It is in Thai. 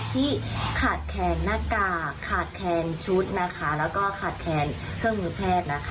ที่ขาดแคลนหน้ากากขาดแคนชุดนะคะแล้วก็ขาดแคนเครื่องมือแพทย์นะคะ